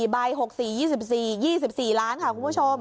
ใบ๖๔๒๔๒๔ล้านค่ะคุณผู้ชม